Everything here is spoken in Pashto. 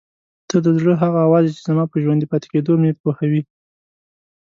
ته د زړه هغه اواز یې چې زما په ژوندي پاتې کېدو مې پوهوي.